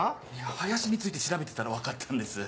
林について調べてたら分かったんです。